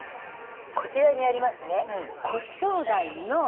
こちらにありますね。